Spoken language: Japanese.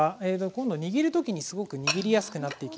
今度握る時にすごく握りやすくなっていきます。